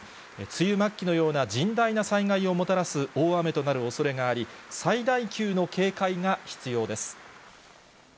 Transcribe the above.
梅雨末期のような甚大な災害をもたらす大雨となるおそれがあり、最大級の警戒が必要です。